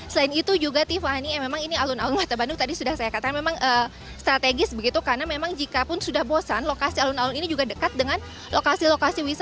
selain itu juga tiffany memang ini alun alun kota bandung tadi sudah saya katakan memang strategis begitu karena memang jikapun sudah bosan lokasi alun alun ini juga dekat dengan lokasi lokasi wisata